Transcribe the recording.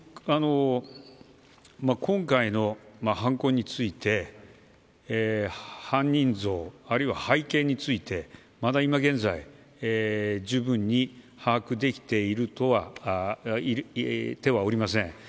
今回の犯行について犯人像、あるいは背景についてまだ今現在十分に把握できておりません。